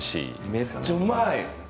めっちゃうまい。